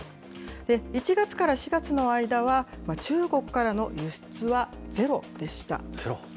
１月から４月の間は、中国からの輸出はゼロでした。